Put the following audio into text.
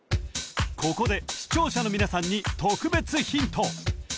ここで視聴者の皆さんに特別ヒント